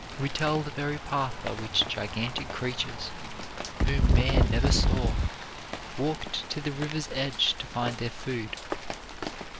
We tell the very path by which gigantic creatures, whom man never saw, walked to the river's edge to find their food.